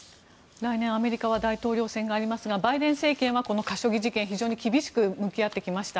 来年アメリカは大統領選がありますがバイデン政権はこのカショギ事件、非常に厳しく向き合ってきました。